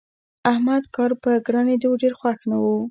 احمد کار په ګرانېدو ډېر خوښ نه وو.